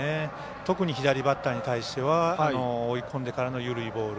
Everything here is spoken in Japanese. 特に左バッターに対しては追い込んでからの緩いボール